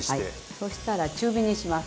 そしたら中火にします。